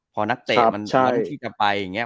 พอนักเตะมันมาทุกทีจะไปอย่างเงี้ย